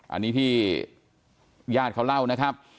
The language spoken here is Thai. อันนี้ที่ญาติเขาเล่านะครับ